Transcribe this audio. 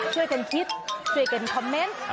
ช่วยกันคิดช่วยกันคอมเมนต์